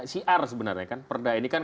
siar sebenarnya kan perda ini kan